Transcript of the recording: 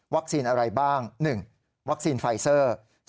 วัคซีนอะไรบ้าง๑วัคซีนไฟเซอร์